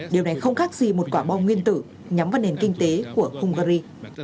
điều này không khác gì một quả bom nguyên tử nhắm vào nền kinh tế của hungary